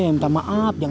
udah berapa ini